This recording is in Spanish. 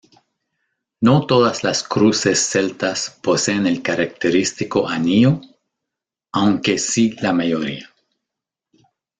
No todas las cruces celtas poseen el característico anillo, aunque sí la mayoría.